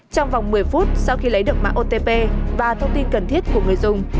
trong vòng một mươi phút sau khi lấy được mạng otp và thông tin cần thiết của người dùng